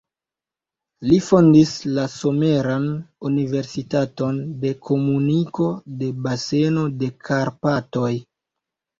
Li fondis la Someran Universitaton de Komuniko de Baseno de Karpatoj.